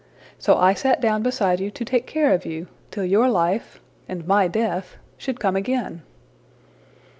So I sat down beside you to take care of you, till your life and my death should come again.''